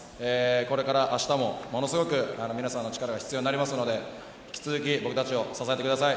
これから明日も、ものすごく皆さんの力が必要になりますので引き続き僕たちを支えてください。